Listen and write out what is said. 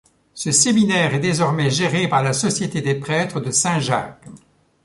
Ce séminaire est désormais géré par la Société des Prêtres de Saint-Jacques.